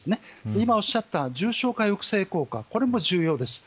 今おっしゃった重症化抑制効果も重要です。